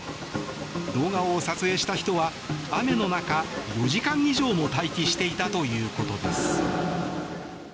動画を撮影した人は雨の中、４時間以上も待機していたということです。